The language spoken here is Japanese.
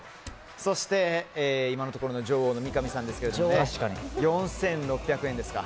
そして今のところ女王の三上さんですが４６００円ですか。